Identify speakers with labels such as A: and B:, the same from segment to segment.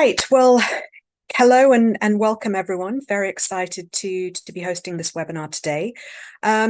A: Right. Well, hello and welcome everyone. Very excited to be hosting this webinar today.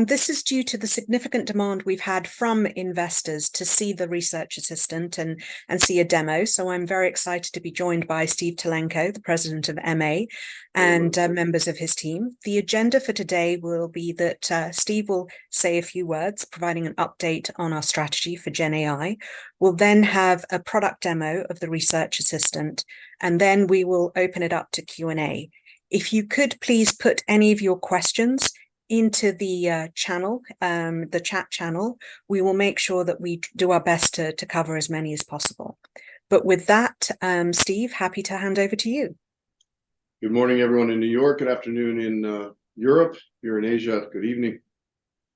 A: This is due to the significant demand we've had from investors to see the Research Assistant and see a demo. So I'm very excited to be joined by Steve Tulenko, the President of MA-
B: Hello
A: - and, members of his team. The agenda for today will be that, Steve will say a few words, providing an update on our strategy GenAI. We'll then have a product demo of the Research Assistant, and then we will open it up to Q&A. If you could please put any of your questions into the channel, the chat channel, we will make sure that we do our best to cover as many as possible. But with that, Steve, happy to hand over to you.
B: Good morning, everyone in New York, good afternoon in Europe. If you're in Asia, good evening.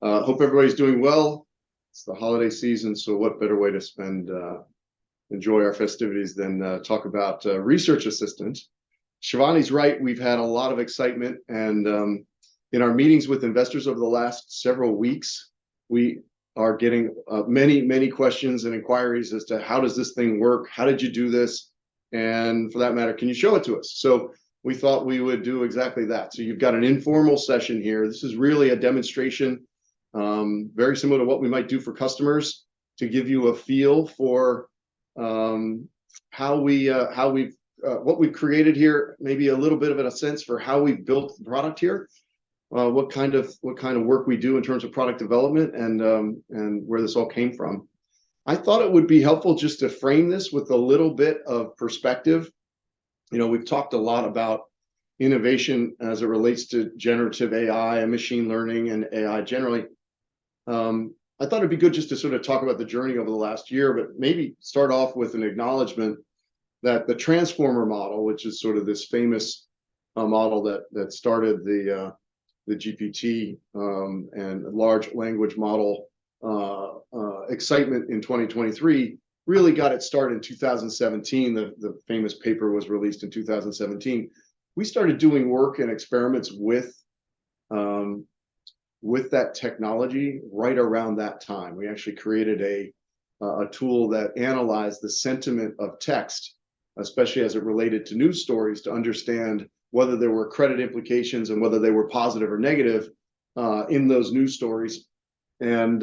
B: Hope everybody's doing well. It's the holiday season, so what better way to spend enjoy our festivities than talk about Research Assistant? Shivani's right, we've had a lot of excitement, and in our meetings with investors over the last several weeks, we are getting many, many questions and inquiries as to how does this thing work, how did you do this, and for that matter, can you show it to us? So we thought we would do exactly that. So you've got an informal session here. This is really a demonstration, very similar to what we might do for customers, to give you a feel for how we, what we've created here, maybe a little bit of a sense for how we've built the product here, what kind of work we do in terms of product development, and where this all came from. I thought it would be helpful just to frame this with a little bit of perspective. You know, we've talked a lot about innovation as it relates to generative AI, and machine learning, and AI generally. I thought it'd be good just to sort of talk about the journey over the last year, but maybe start off with an acknowledgement that the Transformer model, which is sort of this famous model that started the GPT and large language model excitement in 2023, really got its start in 2017. The famous paper was released in 2017. We started doing work and experiments with that technology right around that time. We actually created a tool that analyzed the sentiment of text, especially as it related to news stories, to understand whether there were credit implications, and whether they were positive or negative in those news stories. And,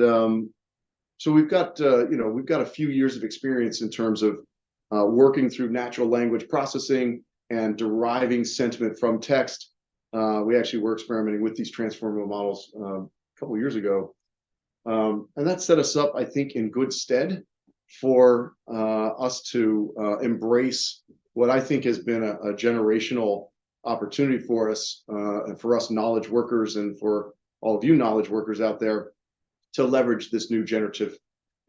B: so we've got, you know, we've got a few years of experience in terms of, working through Natural Language Processing and deriving sentiment from text. We actually were experimenting with these Transformer models, a couple of years ago. And that set us up, I think, in good stead for, us to, embrace what I think has been a, a generational opportunity for us, and for us knowledge workers, and for all of you knowledge workers out there, to leverage this new generative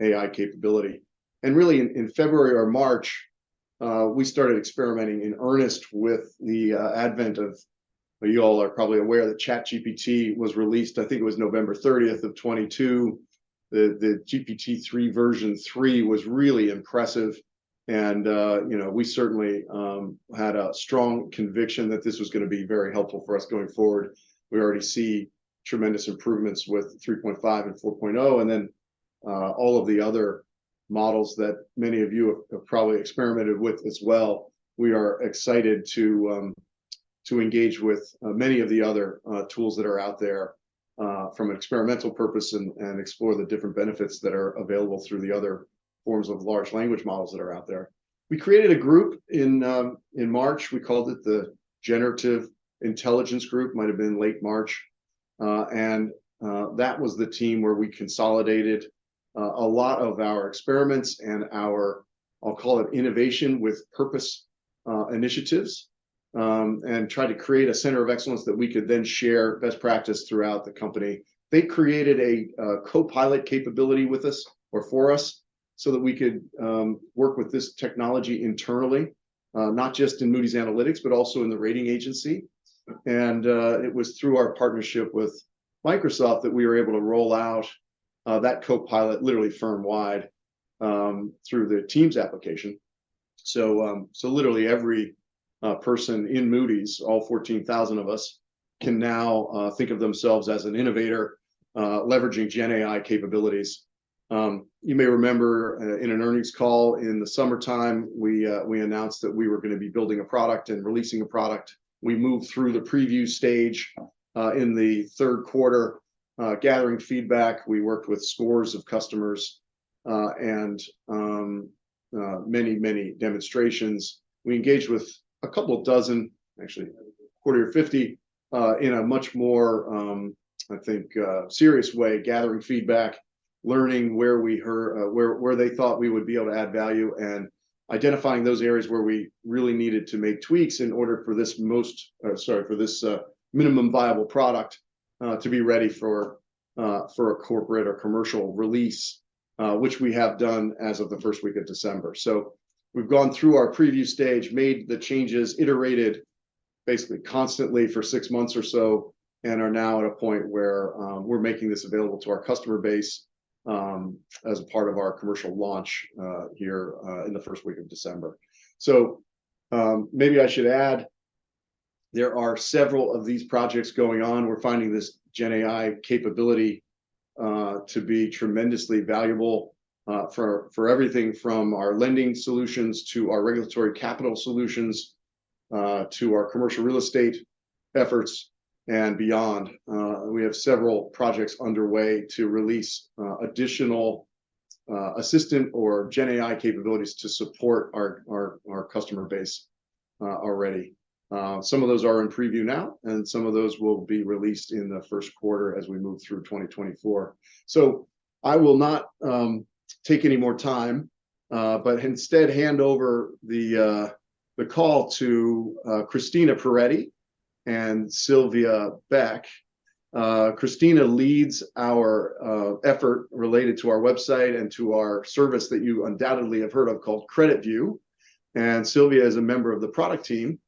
B: AI capability. And really, in, in February or March, we started experimenting in earnest with the, advent of... You all are probably aware that ChatGPT was released, I think it was November 30th of 2022. The GPT-3 version 3 was really impressive, and, you know, we certainly had a strong conviction that this was gonna be very helpful for us going forward. We already see tremendous improvements with 3.5 and 4.0, and then, all of the other models that many of you have probably experimented with as well. We are excited to engage with many of the other tools that are out there from an experimental purpose and explore the different benefits that are available through the other forms of large language models that are out there. We created a group in March. We called it the Generative Intelligence Group. Might have been late March. That was the team where we consolidated a lot of our experiments and our, I'll call it innovation with purpose, initiatives, and tried to create a center of excellence that we could then share best practice throughout the company. They created a Copilot capability with us, or for us, so that we could work with this technology internally, not just in Moody's Analytics, but also in the rating agency. It was through our partnership with Microsoft that we were able to roll out that Copilot, literally firm-wide, through the Teams application. So literally every person in Moody's, all 14,000 of us, can now think of themselves as an innovator, leveraging GenAI capabilities. You may remember, in an earnings call in the summertime, we announced that we were gonna be building a product and releasing a product. We moved through the preview stage, in the third quarter, gathering feedback. We worked with scores of customers, and many, many demonstrations. We engaged with a couple of dozen, actually 25 or 50, in a much more, I think, serious way, gathering feedback, learning where, where they thought we would be able to add value, and identifying those areas where we really needed to make tweaks in order for this, sorry, minimum viable product, to be ready for a corporate or commercial release, which we have done as of the first week of December. So we've gone through our preview stage, made the changes, iterated basically constantly for six months or so, and are now at a point where we're making this available to our customer base as a part of our commercial launch here in the first week of December. So maybe I should add. There are several of these projects going on. We're finding GenAI capability to be tremendously valuable for everything from our lending solutions to our regulatory capital solutions to our commercial real estate efforts and beyond. We have several projects underway to release additional assistant GenAI capabilities to support our customer base already. Some of those are in preview now, and some of those will be released in the first quarter as we move through 2024. So I will not take any more time, but instead hand over the call to Cristina Pieretti and Sylvia Baek. Cristina leads our effort related to our website and to our service that you undoubtedly have heard of called CreditView, and Sylvia is a member of the product team.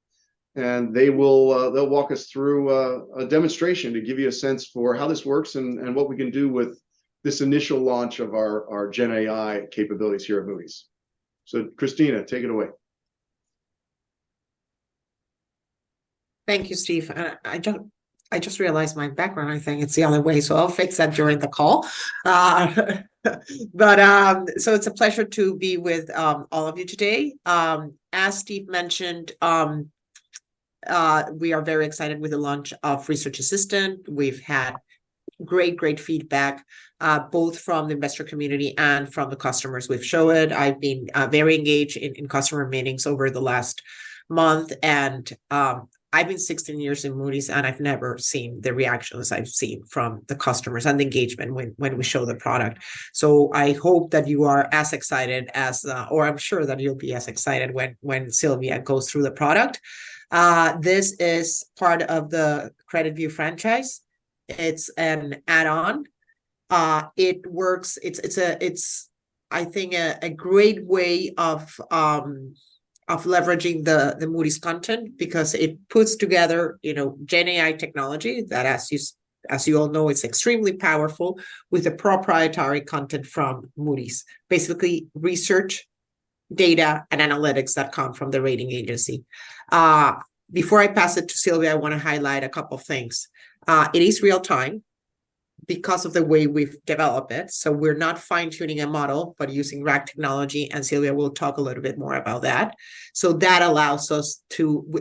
B: And they will, they'll walk us through a demonstration to give you a sense for how this works, and what we can do with this initial launch of our gen AI capabilities here at Moody's. So, Cristina, take it away.
C: Thank you, Steve. I just realized my background. I think it's the other way, so I'll fix that during the call. But so it's a pleasure to be with all of you today. As Steve mentioned, we are very excited with the launch of Research Assistant. We've had great, great feedback both from the investor community and from the customers we've showed. I've been very engaged in customer meetings over the last month, and I've been 16 years in Moody's, and I've never seen the reactions I've seen from the customers, and the engagement when we show the product. So I hope that you are as excited as the... or I'm sure that you'll be as excited when Sylvia goes through the product. This is part of the CreditView franchise. It's an add-on. It works. It's a great way of leveraging the Moody's content because it puts together, you GenAI technology that, as you all know, is extremely powerful, with the proprietary content from Moody's. Basically, research, data, and analytics that come from the rating agency. Before I pass it to Sylvia, I wanna highlight a couple of things. It is real time because of the way we've developed it, so we're not fine-tuning a model, but using RAG technology, and Sylvia will talk a little bit more about that. So that allows us,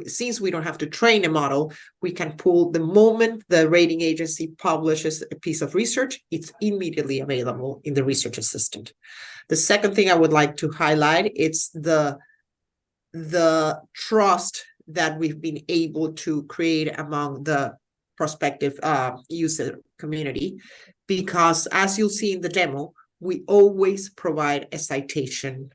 C: since we don't have to train a model, we can pull... The moment the rating agency publishes a piece of research, it's immediately available in the Research Assistant. The second thing I would like to highlight is the trust that we've been able to create among the prospective user community. Because, as you'll see in the demo, we always provide a citation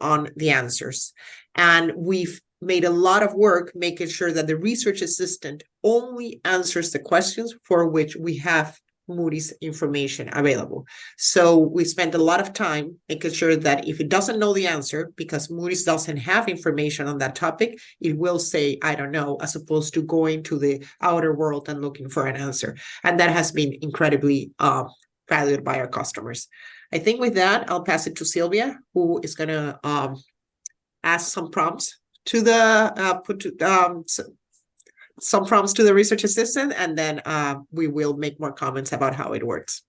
C: on the answers, and we've made a lot of work making sure that the Research Assistant only answers the questions for which we have Moody's information available. So we spent a lot of time making sure that if it doesn't know the answer, because Moody's doesn't have information on that topic, it will say, "I don't know," as opposed to going to the outer world and looking for an answer, and that has been incredibly valued by our customers. I think with that, I'll pass it to Sylvia, who is gonna ask some prompts to the Research Assistant, and then we will make more comments about how it works.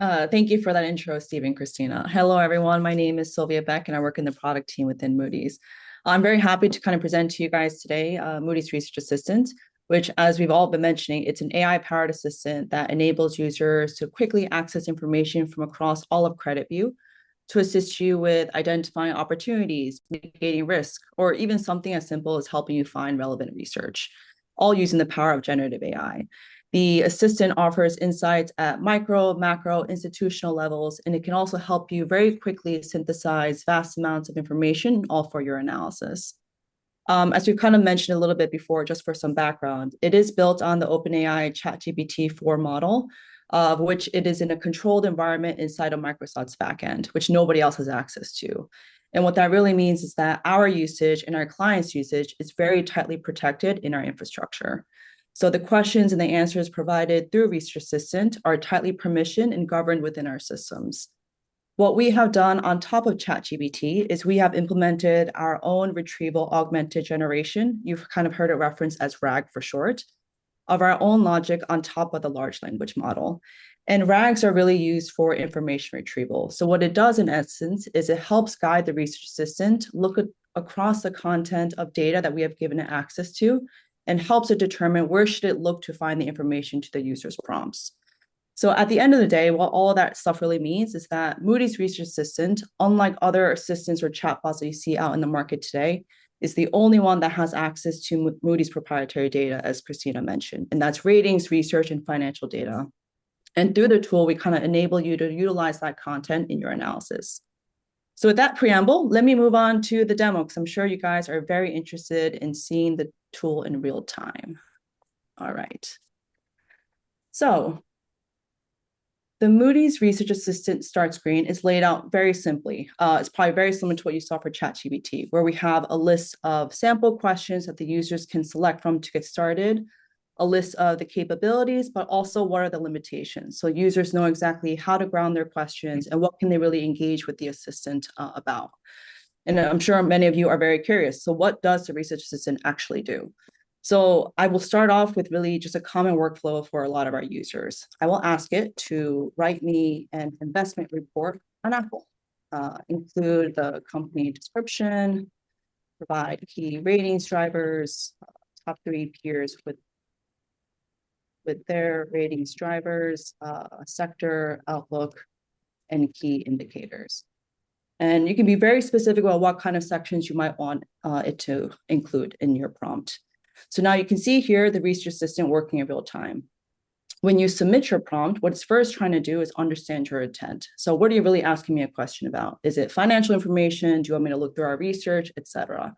D: Thank you for that intro, Steve and Cristina. Hello, everyone. My name is Sylvia Baek, and I work in the product team within Moody's. I'm very happy to kind of present to you guys today, Moody's Research Assistant, which, as we've all been mentioning, it's an AI-powered assistant that enables users to quickly access information from across all of CreditView to assist you with identifying opportunities, mitigating risk, or even something as simple as helping you find relevant research, all using the power of generative AI. The assistant offers insights at micro, macro, institutional levels, and it can also help you very quickly synthesize vast amounts of information, all for your analysis. As we've kind of mentioned a little bit before, just for some background, it is built on OpenAI ChatGPT-4 model, of which it is in a controlled environment inside of Microsoft's back-end, which nobody else has access to. And what that really means is that our usage and our clients' usage is very tightly protected in our infrastructure. So the questions and the answers provided through Research Assistant are tightly permissioned and governed within our systems. What we have done on top of ChatGPT is we have implemented our own retrieval augmented generation, you've kind of heard it referenced as RAG for short, of our own logic on top of the large language model. And RAGs are really used for information retrieval. So what it does, in essence, is it helps guide the Research Assistant look across the content of data that we have given it access to, and helps it determine where should it look to find the information to the user's prompts. So at the end of the day, what all that stuff really means is that Moody's Research Assistant, unlike other assistants or chatbots that you see out in the market today, is the only one that has access to Moody's proprietary data, as Cristina mentioned, and that's ratings, research, and financial data. And through the tool, we kind of enable you to utilize that content in your analysis. So with that preamble, let me move on to the demo, because I'm sure you guys are very interested in seeing the tool in real time. All right. The Moody's Research Assistant start screen is laid out very simply. It's probably very similar to what you saw for ChatGPT, where we have a list of sample questions that the users can select from to get started, a list of the capabilities, but also what are the limitations, so users know exactly how to ground their questions, and what can they really engage with the assistant about. I'm sure many of you are very curious, so what does the Research Assistant actually do? So I will start off with really just a common workflow for a lot of our users. I will ask it to write me an investment report on Apple. Include the company description, provide key ratings drivers, top three peers with their ratings drivers, sector outlook, and key indicators. You can be very specific about what kind of sections you might want it to include in your prompt. So now you can see here the Research Assistant working in real time. When you submit your prompt, what it's first trying to do is understand your intent. So what are you really asking me a question about? Is it financial information? Do you want me to look through our research, et cetera?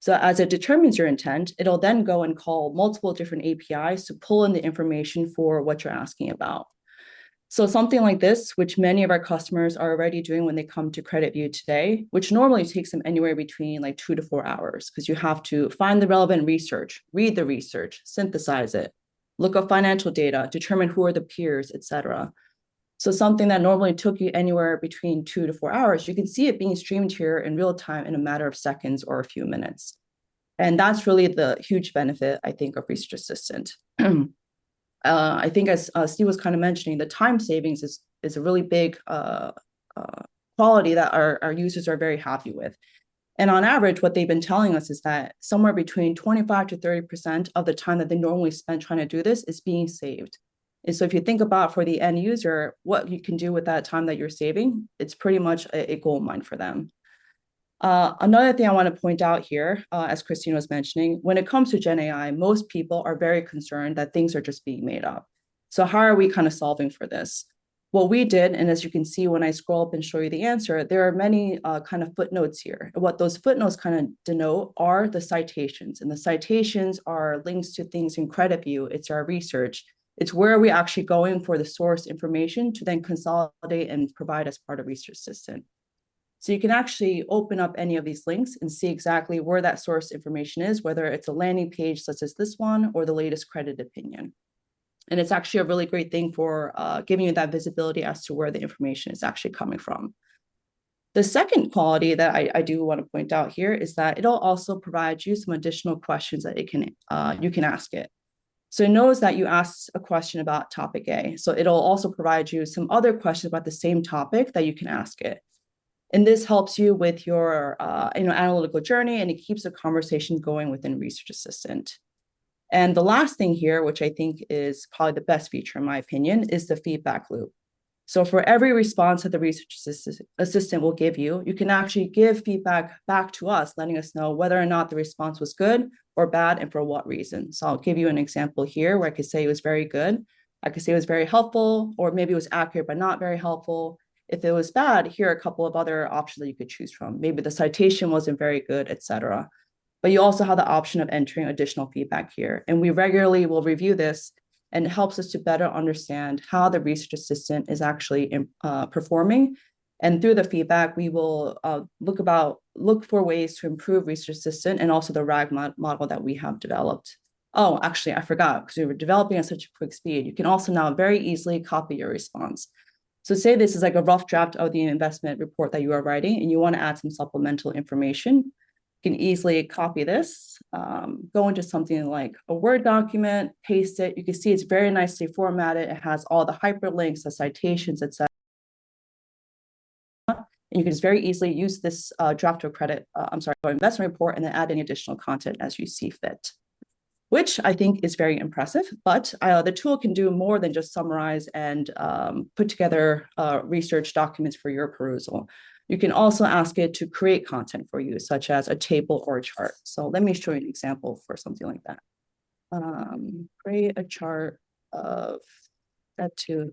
D: So as it determines your intent, it'll then go and call multiple different APIs to pull in the information for what you're asking about. So something like this, which many of our customers are already doing when they come to CreditView today, which normally takes them anywhere between, like, 2-4 hours, 'cause you have to find the relevant research, read the research, synthesize it, look up financial data, determine who are the peers, et cetera. So something that normally took you anywhere between 2-4 hours, you can see it being streamed here in real time in a matter of seconds or a few minutes, and that's really the huge benefit, I think, of Research Assistant. I think as Steve was kind of mentioning, the time savings is a really big quality that our users are very happy with. On average, what they've been telling us is that somewhere between 25%-30% of the time that they normally spend trying to do this is being saved. So if you think about for the end user, what you can do with that time that you're saving, it's pretty much a, a goldmine for them. Another thing I wanna point out here, as Cristina was mentioning, when it comes to gen AI, most people are very concerned that things are just being made up. So how are we kind of solving for this? What we did, and as you can see, when I scroll up and show you the answer, there are many, kind of footnotes here. What those footnotes kind of denote are the citations, and the citations are links to things in CreditView. It's our research. It's where we're actually going for the source information to then consolidate and provide as part of Research Assistant. So you can actually open up any of these links and see exactly where that source information is, whether it's a landing page, such as this one, or the latest credit opinion. And it's actually a really great thing for giving you that visibility as to where the information is actually coming from. The second quality that I do wanna point out here is that it'll also provide you some additional questions that it can... you can ask it. So it knows that you asked a question about topic A, so it'll also provide you some other questions about the same topic that you can ask it, and this helps you with your, you know, analytical journey, and it keeps the conversation going within Research Assistant. The last thing here, which I think is probably the best feature in my opinion, is the feedback loop. For every response that the Research Assistant will give you, you can actually give feedback back to us, letting us know whether or not the response was good or bad, and for what reason. I'll give you an example here where I could say it was very good, I could say it was very helpful, or maybe it was accurate, but not very helpful. If it was bad, here are a couple of other options that you could choose from. Maybe the citation wasn't very good, et cetera. But you also have the option of entering additional feedback here, and we regularly will review this, and it helps us to better understand how the Research Assistant is actually performing. And through the feedback, we will look for ways to improve Research Assistant and also the RAG model that we have developed. Oh, actually, I forgot, 'cause we were developing at such a quick speed. You can also now very easily copy your response. So say this is like a rough draft of the investment report that you are writing, and you wanna add some supplemental information. You can easily copy this, go into something like a Word document, paste it. You can see it's very nicely formatted. It has all the hyperlinks, the citations, et cetera. And you can just very easily use this draft or credit... I'm sorry, investment report, and then add any additional content as you see fit, which I think is very impressive. But, the tool can do more than just summarize and put together research documents for your perusal. You can also ask it to create content for you, such as a table or a chart. So let me show you an example for something like that. Create a chart of debt to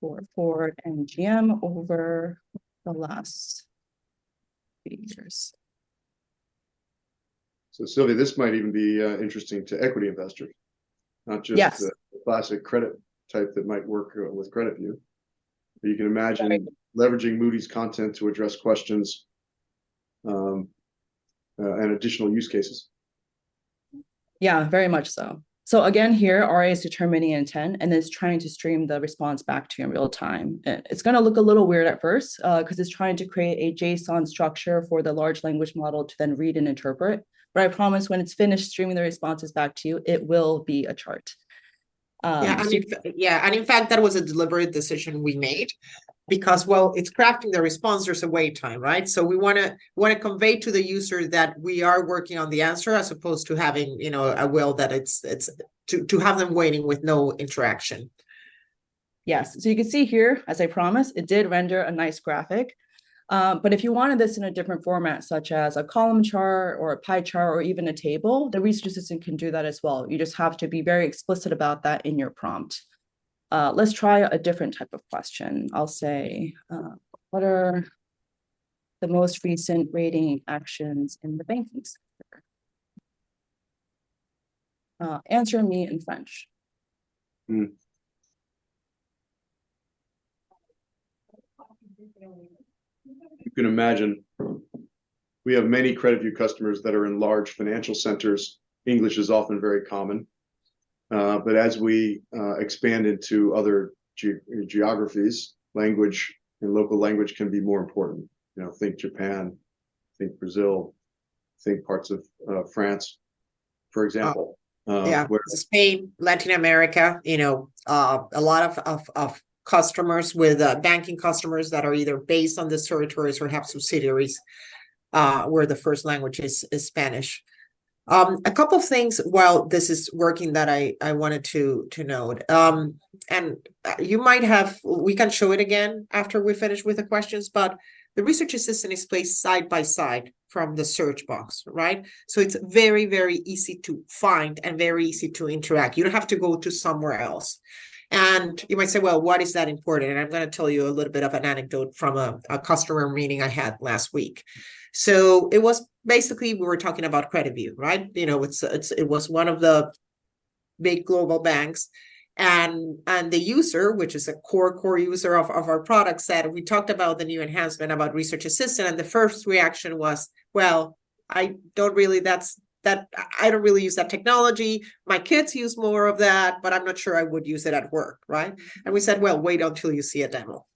D: for Ford and GM over the last eight years.
B: Sylvia, this might even be interesting to equity investors, not just-
D: Yes...
B: the classic credit type that might work with CreditView, but you can imagine-
D: Right...
B: leveraging Moody's content to address questions, and additional use cases.
D: Yeah, very much so. So again, here, RA is determining intent and is trying to stream the response back to you in real time. It's gonna look a little weird at first, 'cause it's trying to create a JSON structure for the large language model to then read and interpret, but I promise when it's finished streaming the responses back to you, it will be a chart. So-
C: Yeah, and in fact, that was a deliberate decision we made because, well, it's crafting the response, there's a wait time, right? So we wanna convey to the user that we are working on the answer, as opposed to having, you know, a wheel that it's to have them waiting with no interaction.
D: Yes. So you can see here, as I promised, it did render a nice graphic. But if you wanted this in a different format, such as a column chart or a pie chart or even a table, the Research Assistant can do that as well. You just have to be very explicit about that in your prompt. Let's try a different type of question. I'll say, "What are the most recent rating actions in the banking sector? Answer me in French.
B: You can imagine, we have many CreditView customers that are in large financial centers. English is often very common, but as we expand into other geographies, language and local language can be more important. You know, think Japan, think Brazil, think parts of France, for example.
C: Yeah.
B: Where-
C: Spain, Latin America, you know, a lot of customers with banking customers that are either based on the territories or have subsidiaries, where the first language is Spanish. A couple of things while this is working that I wanted to note. You might have—We can show it again after we finish with the questions, but the Research Assistant is placed side by side from the search box, right? So it's very, very easy to find and very easy to interact. You don't have to go to somewhere else. And you might say: Well, why is that important? And I'm gonna tell you a little bit of an anecdote from a customer meeting I had last week. So it was... Basically, we were talking about CreditView, right? You know, it was one of the big global banks. And the user, which is a core user of our product, said... We talked about the new enhancement, about Research Assistant, and the first reaction was: "Well, I don't really use that technology. My kids use more of that, but I'm not sure I would use it at work," right? And we said, "Well, wait until you see a demo."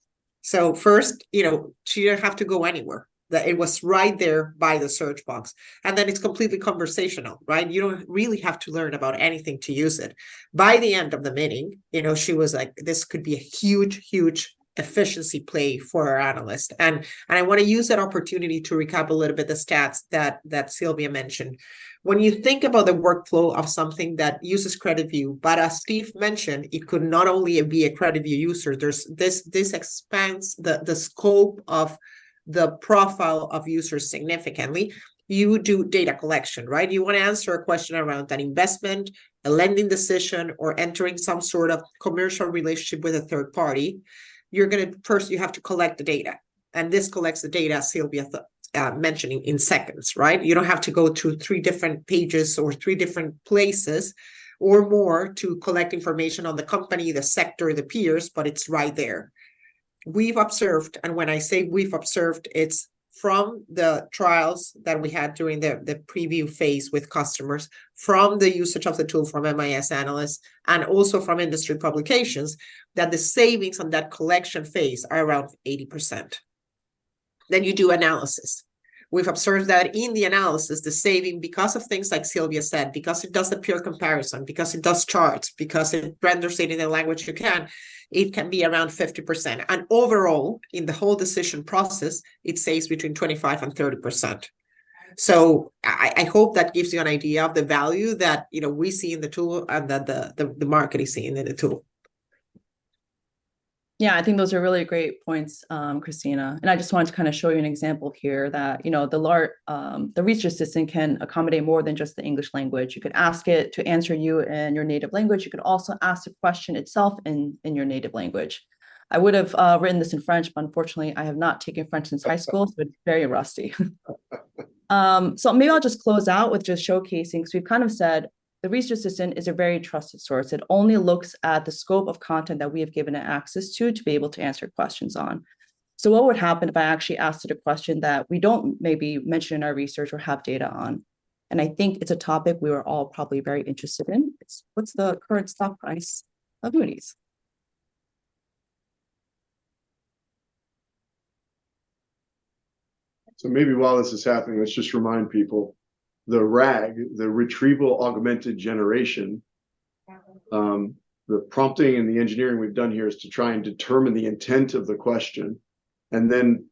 C: So first, you know, she didn't have to go anywhere, that it was right there by the search box. And then it's completely conversational, right? You don't really have to learn about anything to use it. By the end of the meeting, you know, she was like, "This could be a huge, huge efficiency play for our analyst." And I wanna use that opportunity to recap a little bit the stats that Sylvia mentioned. When you think about the workflow of something that uses CreditView, but as Steve mentioned, it could not only be a CreditView user, there's this expands the scope of the profile of users significantly. You do data collection, right? You wanna answer a question around an investment, a lending decision, or entering some sort of commercial relationship with a third party. You're gonna first, you have to collect the data, and this collects the data, as Sylvia mentioning, in seconds, right? You don't have to go to 3 different pages or 3 different places or more to collect information on the company, the sector, the peers, but it's right there. We've observed, and when I say we've observed, it's from the trials that we had during the preview phase with customers, from the usage of the tool from MIS analysts, and also from industry publications, that the savings on that collection phase are around 80%. Then you do analysis. We've observed that in the analysis, the saving, because of things like Sylvia said, because it does the peer comparison, because it does charts, because it renders it in a language you can, it can be around 50%. Overall, in the whole decision process, it saves between 25% and 30%. I hope that gives you an idea of the value that, you know, we see in the tool and that the market is seeing in the tool.
D: Yeah, I think those are really great points, Cristina, and I just wanted to kind of show you an example here that, you know, our Research Assistant can accommodate more than just the English language. You could ask it to answer you in your native language. You could also ask the question itself in your native language. I would have written this in French, but unfortunately, I have not taken French since high school, so it's very rusty. So maybe I'll just close out with just showcasing, because we've kind of said the Research Assistant is a very trusted source. It only looks at the scope of content that we have given it access to, to be able to answer questions on. What would happen if I actually asked it a question that we don't maybe mention in our research or have data on? I think it's a topic we are all probably very interested in. It's: What's the current stock price of Moody's?
B: So maybe while this is happening, let's just remind people, the RAG, the Retrieval-Augmented Generation, the prompting and the engineering we've done here is to try and determine the intent of the question, and then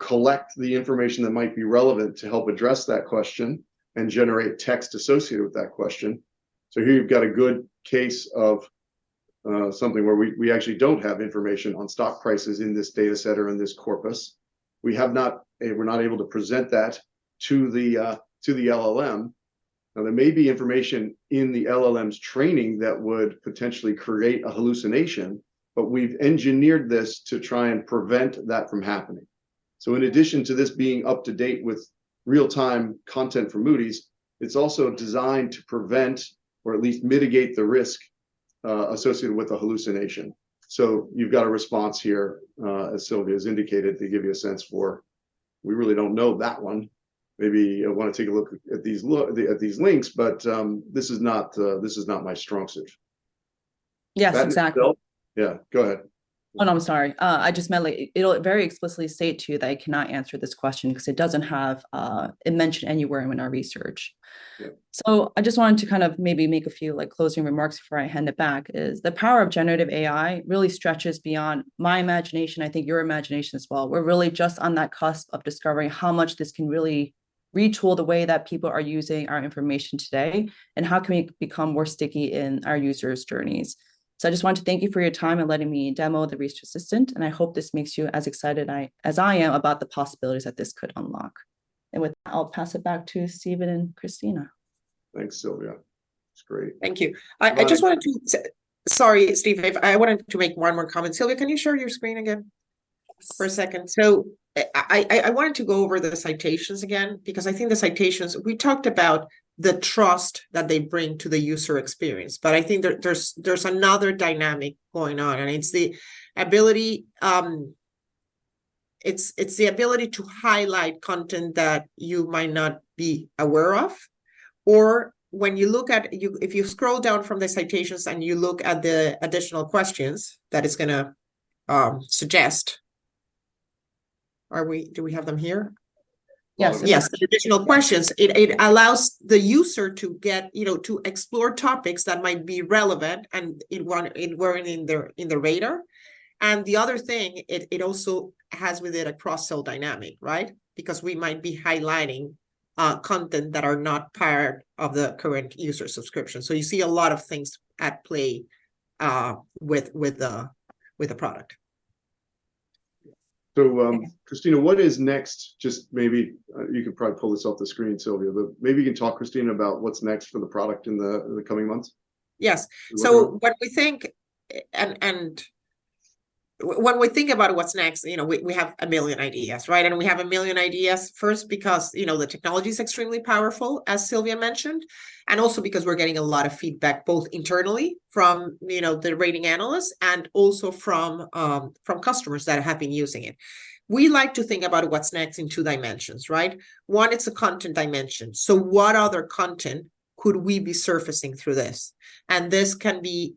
B: collect the information that might be relevant to help address that question and generate text associated with that question. So here you've got a good case of, something where we, we actually don't have information on stock prices in this data set or in this corpus. We're not able to present that to the, to the LLM. Now, there may be information in the LLM's training that would potentially create a hallucination, but we've engineered this to try and prevent that from happening. So in addition to this being up-to-date with real-time content from Moody's, it's also designed to prevent or at least mitigate the risk associated with a hallucination. So you've got a response here, as Sylvia has indicated, to give you a sense for we really don't know that one. Maybe you wanna take a look at these links, but this is not my strong suit.
D: Yes, exactly.
B: Yeah, go ahead.
D: Well, I'm sorry. I just meant, like, it'll very explicitly state to you that it cannot answer this question, because it doesn't have, it mentioned anywhere in our research.
B: Yeah.
D: So I just wanted to kind of maybe make a few, like, closing remarks before I hand it back. The power of generative AI really stretches beyond my imagination, I think your imagination as well. We're really just on that cusp of discovering how much this can really retool the way that people are using our information today, and how we can become more sticky in our users' journeys. So I just want to thank you for your time and letting me demo the Research Assistant, and I hope this makes you as excited as I am about the possibilities that this could unlock. And with that, I'll pass it back to Stephen and Cristina.
B: Thanks, Sylvia. That's great.
C: Thank you.
B: Uh-
C: I just wanted to... Sorry, Steve, I wanted to make one more comment. Sylvia, can you share your screen again?
D: Yes...
C: for a second? So I wanted to go over the citations again, because I think the citations, we talked about the trust that they bring to the user experience, but I think there's another dynamic going on, and it's the ability to highlight content that you might not be aware of. Or when you look at if you scroll down from the citations and you look at the additional questions, that is gonna suggest... Do we have them here? Yes. Yes, additional questions. It allows the user to get, you know, to explore topics that might be relevant, and it weren't in their radar. And the other thing, it also has with it a cross-sell dynamic, right? Because we might be highlighting content that are not part of the current user subscription. So you see a lot of things at play with the product.
B: So, Cristina, what is next? Just maybe, you could probably pull this off the screen, Sylvia, but maybe you can talk, Cristina, about what's next for the product in the, in the coming months.
C: Yes. So- So what we think and when we think about what's next, you know, we have a million ideas, right? And we have a million ideas, first, because, you know, the technology's extremely powerful, as Sylvia mentioned, and also because we're getting a lot of feedback, both internally from, you know, the rating analysts, and also from customers that have been using it. We like to think about what's next in two dimensions, right? One, it's a content dimension. So what other content could we be surfacing through this? And this can be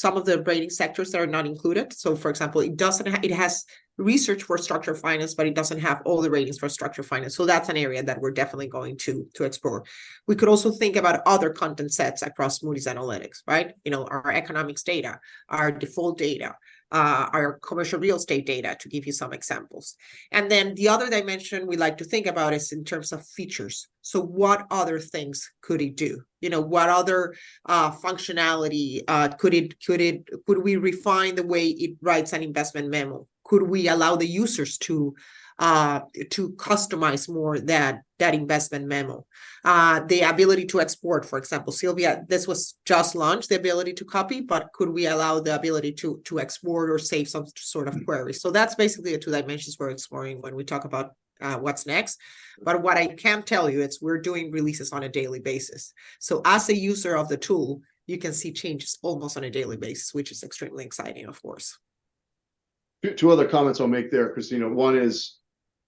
C: some of the rating sectors that are not included. So for example, it has research for structured finance, but it doesn't have all the ratings for structured finance. So that's an area that we're definitely going to explore. We could also think about other content sets across Moody's Analytics, right? You know, our economics data, our default data, our commercial real estate data, to give you some examples. And then the other dimension we like to think about is in terms of features. So what other things could it do? You know, what other functionality could it-could we refine the way it writes an investment memo? Could we allow the users to customize more that investment memo? The ability to export, for example. Sylvia, this was just launched, the ability to copy, but could we allow the ability to export or save some sort of query?
B: Mm.
C: That's basically the two dimensions we're exploring when we talk about what's next. But what I can tell you, it's we're doing releases on a daily basis. As a user of the tool, you can see changes almost on a daily basis, which is extremely exciting, of course.
B: Two other comments I'll make there, Cristina. One is,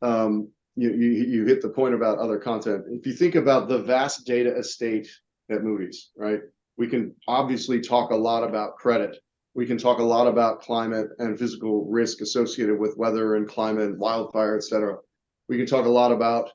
B: you hit the point about other content. If you think about the vast data estate at Moody's, right, we can obviously talk a lot about credit. We can talk a lot about climate and physical risk associated with weather and climate, wildfire, et cetera. We can talk a lot about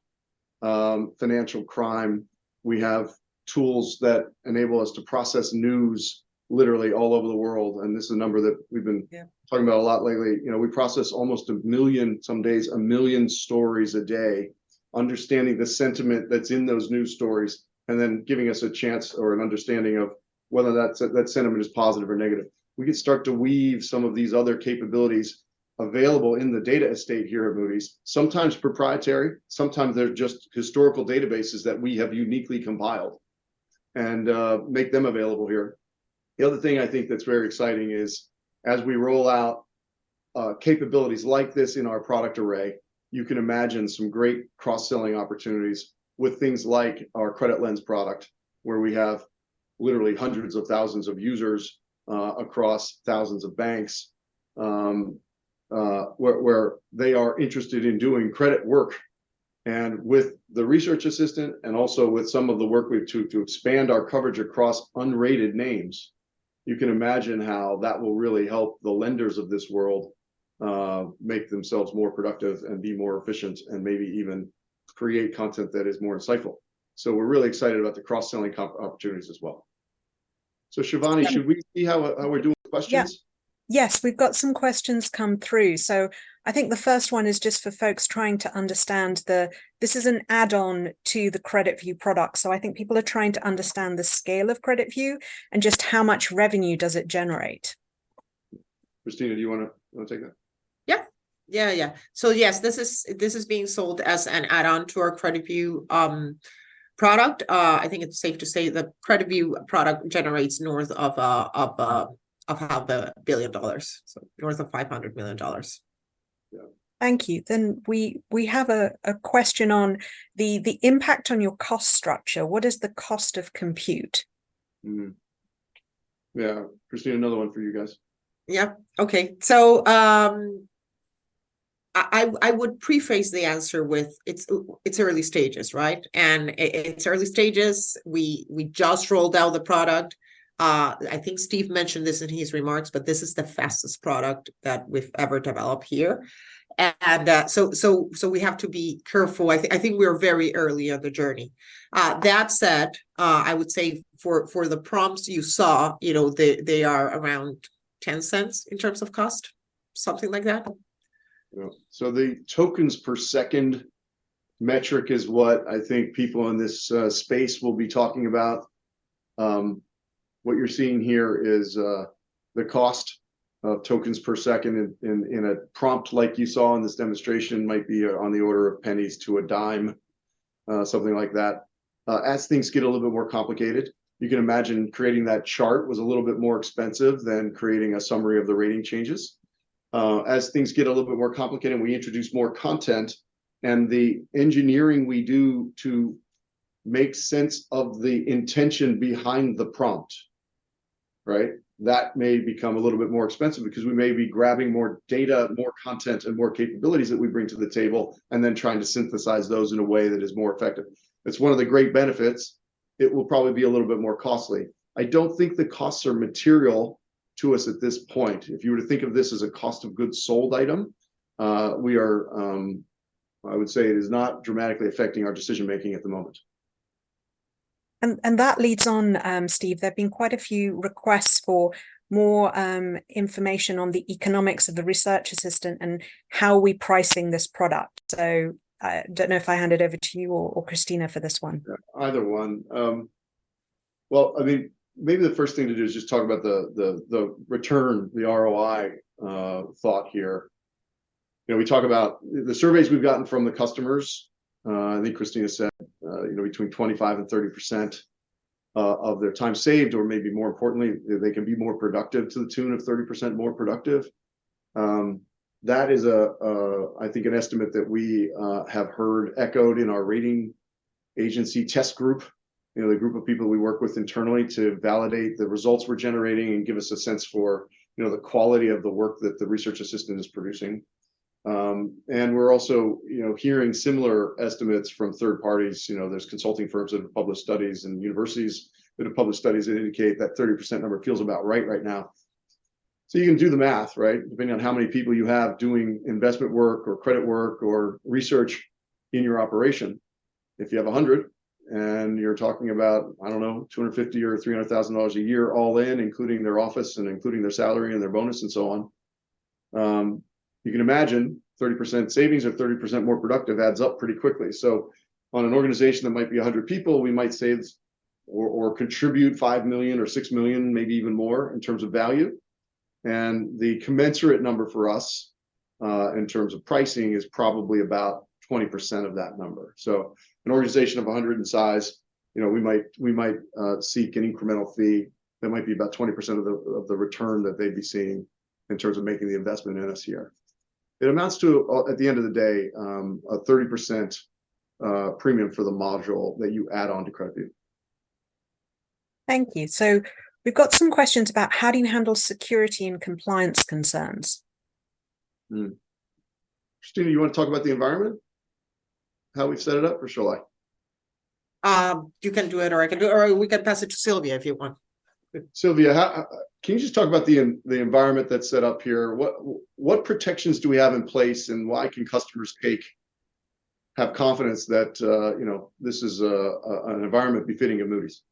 B: financial crime. We have tools that enable us to process news literally all over the world, and this is a number that we've been-
C: Yeah...
B: talking about a lot lately. You know, we process almost 1 million, some days, 1 million stories a day, understanding the sentiment that's in those news stories, and then giving us a chance or an understanding of whether that's, that sentiment is positive or negative. We can start to weave some of these other capabilities available in the data estate here at Moody's, sometimes proprietary, sometimes they're just historical databases that we have uniquely compiled, and make them available here. The other thing I think that's very exciting is, as we roll out capabilities like this in our product array, you can imagine some great cross-selling opportunities with things like our CreditLens product, where we have literally hundreds of thousands of users across thousands of banks, where they are interested in doing credit work. And with the Research Assistant, and also with some of the work we've to expand our coverage across unrated names, you can imagine how that will really help the lenders of this world make themselves more productive and be more efficient, and maybe even create content that is more insightful. So we're really excited about the cross-selling opportunities as well. So Shivani-
A: Yeah...
B: should we see how, how we're doing with questions?
A: Yes. Yes, we've got some questions come through. So I think the first one is just for folks trying to understand the... This is an add-on to the CreditView product, so I think people are trying to understand the scale of CreditView, and just how much revenue does it generate?
B: Cristina, do you wanna take that?
C: Yeah. Yeah, yeah. So yes, this is being sold as an add-on to our CreditView product. I think it's safe to say the CreditView product generates north of $500 million.
B: Yeah.
A: Thank you. Then we have a question on the impact on your cost structure. What is the cost of compute?
B: Yeah. Cristina, another one for you guys.
C: Yeah. Okay. So, I would preface the answer with, it's early stages, right? And it's early stages. We just rolled out the product. I think Steve mentioned this in his remarks, but this is the fastest product that we've ever developed here. And so we have to be careful. I think we're very early on the journey. That said, I would say for the prompts you saw, you know, they are around $0.10 in terms of cost, something like that.
B: Yeah. So the tokens per second metric is what I think people in this space will be talking about. What you're seeing here is the cost of tokens per second in a prompt like you saw in this demonstration might be on the order of pennies to a dime, something like that. As things get a little bit more complicated, you can imagine creating that chart was a little bit more expensive than creating a summary of the rating changes. As things get a little bit more complicated and we introduce more content, and the engineering we do to make sense of the intention behind the prompt, right? That may become a little bit more expensive, because we may be grabbing more data, more content, and more capabilities that we bring to the table, and then trying to synthesize those in a way that is more effective. It's one of the great benefits. It will probably be a little bit more costly. I don't think the costs are material to us at this point. If you were to think of this as a cost of goods sold item, we are, I would say it is not dramatically affecting our decision-making at the moment.
A: That leads on, Steve, there have been quite a few requests for more information on the economics of the Research Assistant, and how we're pricing this product. So I don't know if I hand it over to you or Cristina for this one.
B: Either one. Well, I mean, maybe the first thing to do is just talk about the return, the ROI thought here. You know, we talk about the surveys we've gotten from the customers. I think Cristina said, you know, between 25% and 30% of their time saved, or maybe more importantly, they can be more productive to the tune of 30% more productive. That is, I think, an estimate that we have heard echoed in our rating agency test group, you know, the group of people we work with internally to validate the results we're generating and give us a sense for, you know, the quality of the work that the Research Assistant is producing. And we're also, you know, hearing similar estimates from third parties. You know, there's consulting firms, and published studies, and universities that have published studies that indicate that 30% number feels about right right now. So you can do the math, right? Depending on how many people you have doing investment work, or credit work, or research in your operation. If you have a hundred, and you're talking about, I don't know, $250,000 or $300,000 a year all in, including their office, and including their salary, and their bonus, and so on, you can imagine 30% savings or 30% more productive adds up pretty quickly. So on an organization that might be a hundred people, we might save or, or contribute $5 million or $6 million, maybe even more in terms of value. The commensurate number for us, in terms of pricing, is probably about 20% of that number. An organization of 100 in size, you know, we might seek an incremental fee that might be about 20% of the return that they'd be seeing in terms of making the investment in us here. It amounts to, at the end of the day, a 30% premium for the module that you add on to CreditView.
A: Thank you. So we've got some questions about how do you handle security and compliance concerns?
B: Mm. Cristina, you wanna talk about the environment, how we set it up, or shall I?
C: You can do it, or I can do it, or we can pass it to Sylvia if you want.
B: Sylvia, how... can you just talk about the environment that's set up here? What, what protections do we have in place, and why can customers have confidence that, you know, this is an environment befitting of Moody's?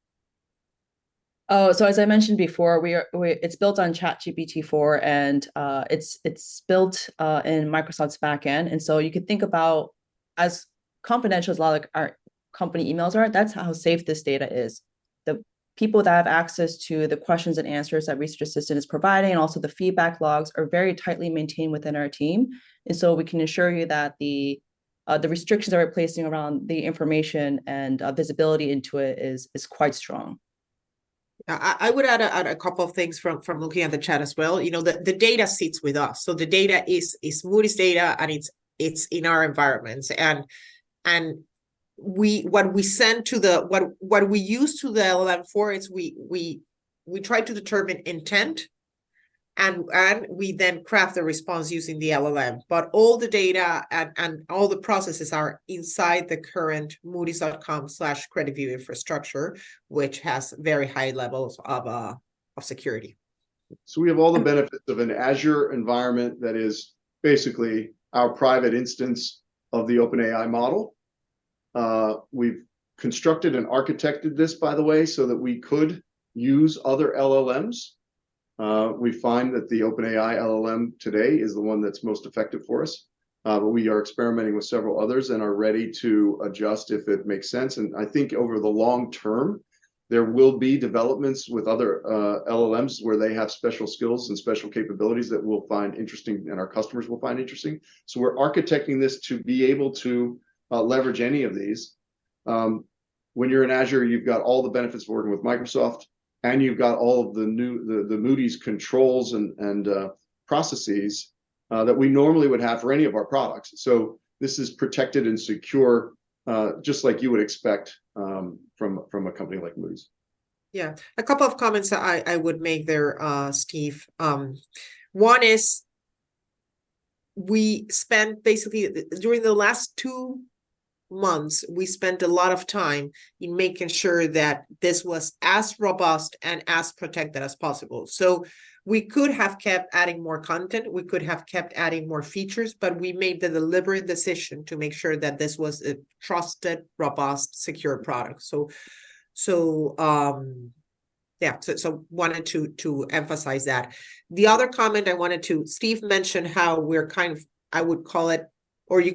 D: Oh, so as I mentioned before, It's built on ChatGPT-4, and it's built in Microsoft's backend. And so you could think about as confidential as, like, our company emails are, that's how safe this data is. The people that have access to the questions and answers that Research Assistant is providing, and also the feedback logs, are very tightly maintained within our team, and so we can assure you that the restrictions that we're placing around the information and visibility into it is quite strong.
C: I would add a couple of things from looking at the chat as well. You know, the data sits with us. So the data is Moody's data, and it's in our environments. And what we send to the... What we use the LLM for is we try to determine intent, and we then craft the response using the LLM. But all the data and all the processes are inside the current moodys.com/CreditView infrastructure, which has very high levels of security.
B: So we have all the benefits of an Azure environment that is basically our private instance of OpenAI model. We've constructed and architected this, by the way, so that we could use other LLMs. We find that OpenAI LLM today is the one that's most effective for us, but we are experimenting with several others and are ready to adjust if it makes sense. And I think over the long term, there will be developments with other LLMs, where they have special skills and special capabilities that we'll find interesting, and our customers will find interesting. So we're architecting this to be able to leverage any of these. When you're in Azure, you've got all the benefits of working with Microsoft, and you've got all of the Moody's controls and processes that we normally would have for any of our products. So this is protected and secure, just like you would expect, from a company like Moody's.
C: Yeah. A couple of comments that I would make there, Steve. One is, we spent... Basically, during the last two months, we spent a lot of time in making sure that this was as robust and as protected as possible. So we could have kept adding more content, we could have kept adding more features, but we made the deliberate decision to make sure that this was a trusted, robust, secure product. So, yeah, so wanted to emphasize that. The other comment I wanted to... Steve mentioned how we're kind of, I would call it, or you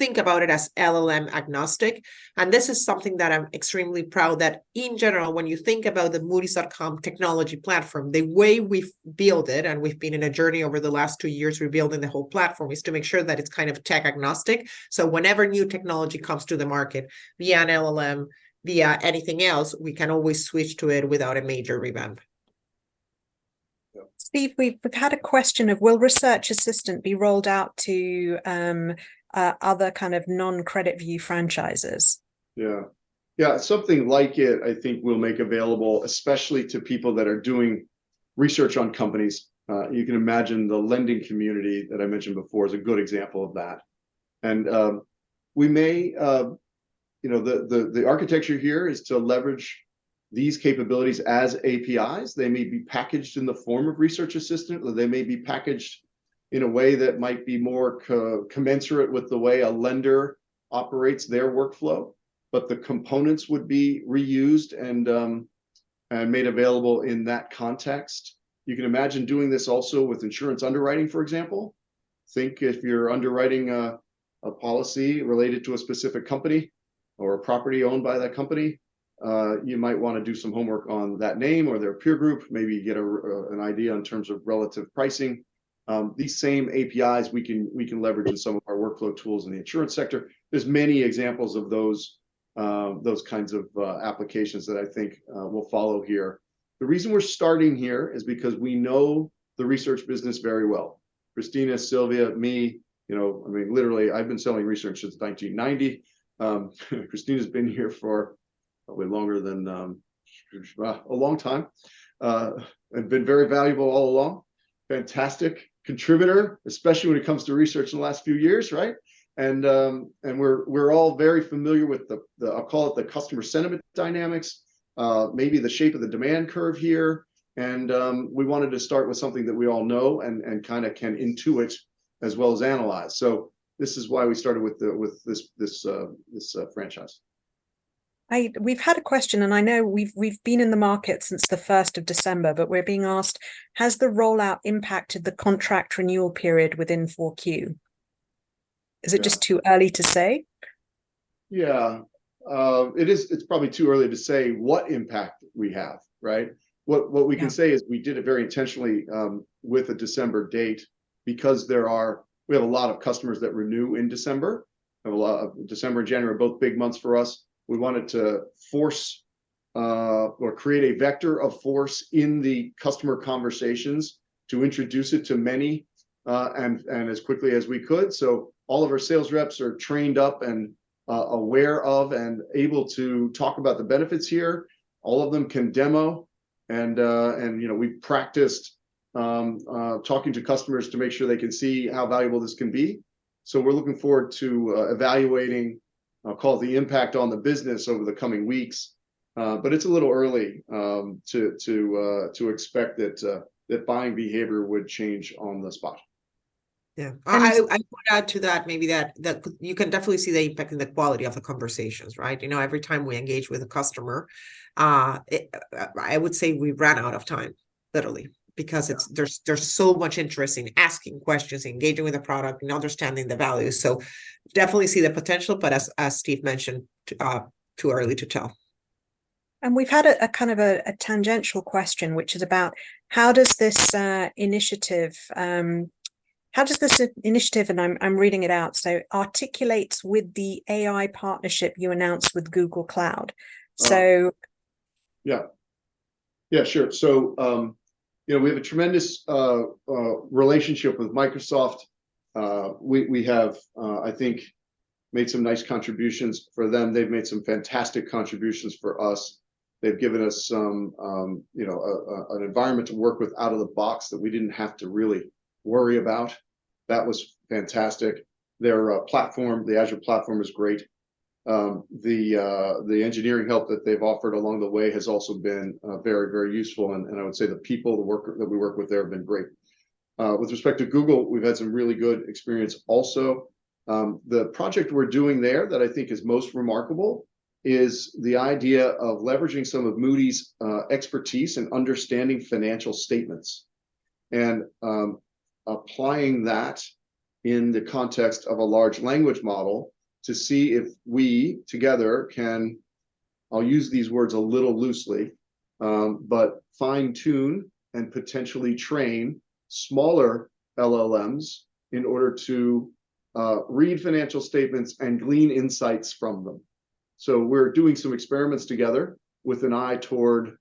C: could think about it as LLM-agnostic, and this is something that I'm extremely proud that, in general, when you think about the moodys.com technology platform, the way we've built it, and we've been in a journey over the last two years rebuilding the whole platform, is to make sure that it's kind of tech-agnostic. So whenever new technology comes to the market, be it an LLM, be it anything else, we can always switch to it without a major revamp....
A: Steve, we've had a question of will Research Assistant be rolled out to other kind of non-CreditView franchises?
B: Yeah. Yeah, something like it I think we'll make available, especially to people that are doing research on companies. You can imagine the lending community that I mentioned before is a good example of that. And we may... You know, the architecture here is to leverage these capabilities as APIs. They may be packaged in the form of Research Assistant, or they may be packaged in a way that might be more commensurate with the way a lender operates their workflow. But the components would be reused, and made available in that context. You can imagine doing this also with insurance underwriting, for example. Think if you're underwriting a policy related to a specific company or a property owned by that company, you might wanna do some homework on that name or their peer group, maybe get an idea in terms of relative pricing. These same APIs, we can leverage with some of our workflow tools in the insurance sector. There's many examples of those kinds of applications that I think will follow here. The reason we're starting here is because we know the research business very well. Cristina, Sylvia, me, you know, I mean, literally I've been selling research since 1990. Cristina's been here for probably longer than a long time, and been very valuable all along. Fantastic contributor, especially when it comes to research in the last few years, right? And we're all very familiar with the customer sentiment dynamics, maybe the shape of the demand curve here. And we wanted to start with something that we all know, and kind of can intuit as well as analyze. So this is why we started with this franchise.
A: We've had a question, and I know we've been in the market since the 1st of December, but we're being asked: "Has the rollout impacted the contract renewal period within 4Q?
B: Yeah.
A: Is it just too early to say?
B: Yeah. It is, it's probably too early to say what impact we have, right?
A: Yeah.
B: What we can say is we did it very intentionally with a December date because we have a lot of customers that renew in December. We have a lot of... December and January are both big months for us. We wanted to force or create a vector of force in the customer conversations to introduce it to many and as quickly as we could. So all of our sales reps are trained up and aware of and able to talk about the benefits here. All of them can demo. And you know, we've practiced talking to customers to make sure they can see how valuable this can be. So we're looking forward to evaluating, I'll call it the impact on the business over the coming weeks. But it's a little early to expect that buying behavior would change on the spot.
C: Yeah.
A: And-
C: I would add to that maybe that you can definitely see the impact in the quality of the conversations, right? You know, every time we engage with a customer, I would say we run out of time, literally.
B: Yeah.
C: Because there's so much interest in asking questions, engaging with the product, and understanding the value. So definitely see the potential, but as Steve mentioned, too early to tell.
A: And we've had a kind of tangential question, which is about: "How does this initiative," and I'm reading it out, so, "articulate with the AI partnership you announced with Google Cloud?
B: Uh.
A: So...
B: Yeah. Yeah, sure. So, you know, we have a tremendous relationship with Microsoft. We have, I think, made some nice contributions for them. They've made some fantastic contributions for us. They've given us some, you know, an environment to work with out of the box that we didn't have to really worry about. That was fantastic. Their platform, the Azure platform is great. The engineering help that they've offered along the way has also been very, very useful, and I would say the people, the worker that we work with there have been great. With respect to Google, we've had some really good experience also. The project we're doing there that I think is most remarkable is the idea of leveraging some of Moody's expertise and understanding financial statements, and applying that in the context of a large language model to see if we, together, can. I'll use these words a little loosely, but fine-tune and potentially train smaller LLMs in order to read financial statements and glean insights from them. So we're doing some experiments together with an eye toward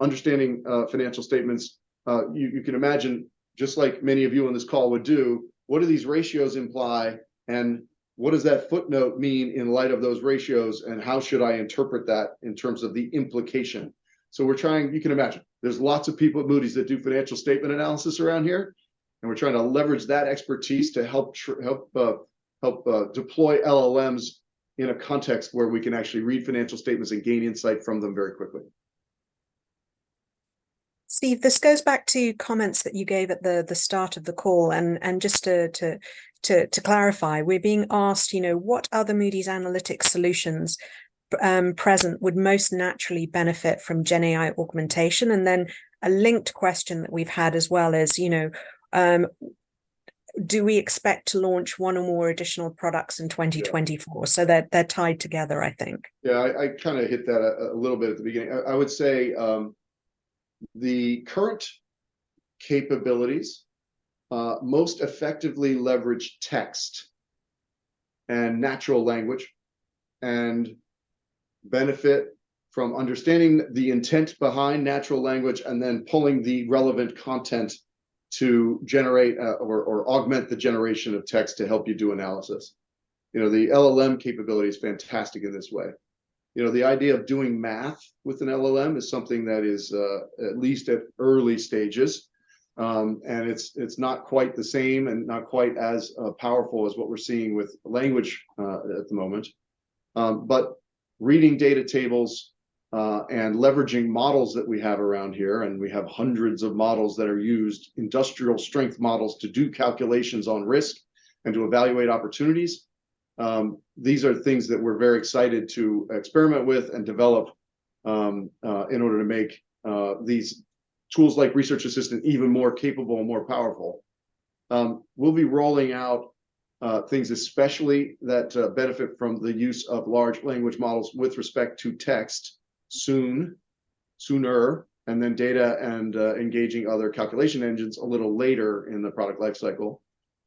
B: understanding financial statements. You can imagine, just like many of you on this call would do, what do these ratios imply, and what does that footnote mean in light of those ratios, and how should I interpret that in terms of the implication? So we're trying... You can imagine, there's lots of people at Moody's that do financial statement analysis around here, and we're trying to leverage that expertise to help deploy LLMs in a context where we can actually read financial statements and gain insight from them very quickly.
A: Steve, this goes back to comments that you gave at the start of the call. And just to clarify, we're being asked, you know: "What other Moody's Analytics solutions present would most naturally benefit from GenAI augmentation?" And then a linked question that we've had as well is, you know: "Do we expect to launch one or more additional products in 2024?
B: Yeah.
A: So they're tied together, I think.
B: Yeah, I kind of hit that a little bit at the beginning. I would say the current capabilities most effectively leverage text and natural language, and benefit from understanding the intent behind natural language, and then pulling the relevant content to generate or augment the generation of text to help you do analysis. You know, the LLM capability is fantastic in this way. You know, the idea of doing math with an LLM is something that is at least at early stages, and it's not quite the same, and not quite as powerful as what we're seeing with language at the moment. But reading data tables, and leveraging models that we have around here, and we have hundreds of models that are used, industrial strength models, to do calculations on risk and to evaluate opportunities, these are things that we're very excited to experiment with and develop, in order to make these tools, like Research Assistant, even more capable and more powerful. We'll be rolling out things especially that benefit from the use of large language models with respect to text sooner, and then data and engaging other calculation engines a little later in the product life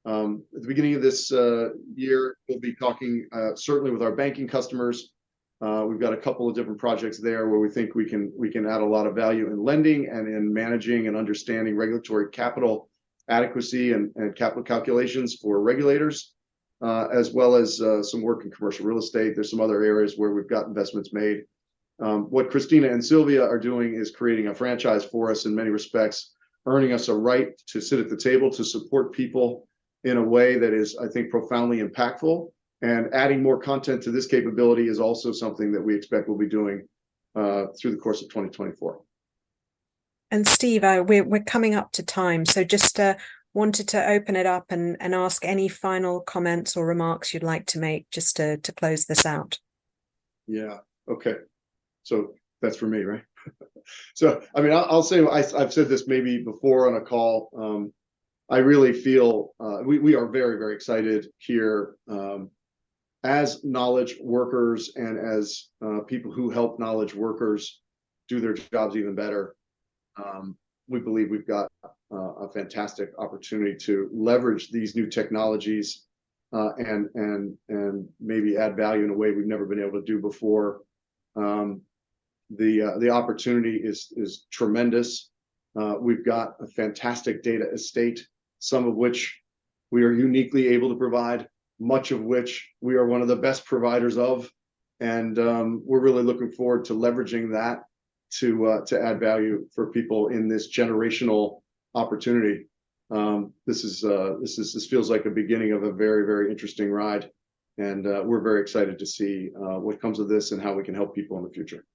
B: cycle. At the beginning of this year, we'll be talking certainly with our banking customers. We've got a couple of different projects there, where we think we can, we can add a lot of value in lending, and in managing and understanding regulatory capital adequacy, and, and capital calculations for regulators, as well as some work in commercial real estate. There's some other areas where we've got investments made. What Cristina and Sylvia are doing is creating a franchise for us in many respects, earning us a right to sit at the table to support people in a way that is, I think, profoundly impactful. And adding more content to this capability is also something that we expect we'll be doing through the course of 2024.
A: And Steve, we're coming up to time, so just wanted to open it up and ask any final comments or remarks you'd like to make just to close this out?
B: Yeah. Okay. So that's for me, right? So I mean, I'll, I'll say... I, I've said this maybe before on a call, I really feel, we, we are very, very excited here, as knowledge workers, and as, people who help knowledge workers do their jobs even better. We believe we've got a fantastic opportunity to leverage these new technologies, and maybe add value in a way we've never been able to do before. The opportunity is tremendous. We've got a fantastic data estate, some of which we are uniquely able to provide, much of which we are one of the best providers of, and, we're really looking forward to leveraging that to add value for people in this generational opportunity. This feels like the beginning of a very, very interesting ride, and we're very excited to see what comes of this, and how we can help people in the future.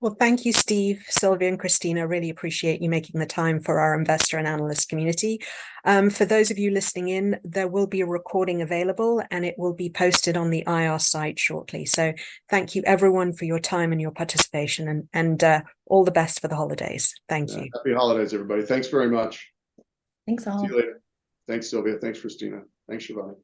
A: Well, thank you, Steve, Sylvia, and Cristina. Really appreciate you making the time for our investor and analyst community. For those of you listening in, there will be a recording available, and it will be posted on the IR site shortly. So thank you everyone for your time and your participation, and all the best for the holidays. Thank you.
B: Yeah. Happy holidays, everybody. Thanks very much.
D: Thanks, all.
A: See you later. Thanks, Sylvia. Thanks, Cristina. Thanks, Shivani.